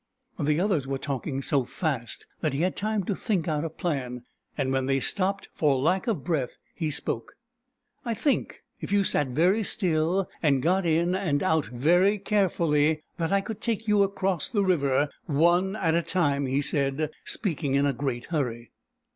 The others were talking so fast that he had time to think out a plan, and when they stopped for lack of breath, he spoke. " I think, if you sat very still and got in and out very carefully, that I could take you across the river, one at a time," he said, speaking in a great hurry.